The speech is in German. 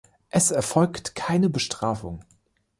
Es erfolgt keine Bestrafung.